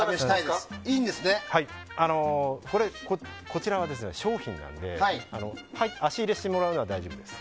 こちらは商品なので足入れしてもらうのは大丈夫です。